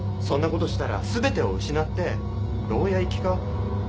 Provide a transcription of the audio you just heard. そんなことしたら全てを失って牢屋行きか。